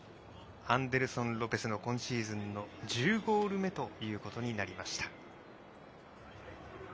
アンデルソン・ロペスの今シーズンの１０ゴール目ということになりました。